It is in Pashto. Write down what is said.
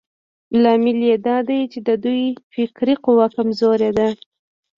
لامل يې دا دی چې د دوی فکري قوه کمزورې ده.